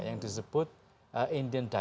yang disebut indian boundary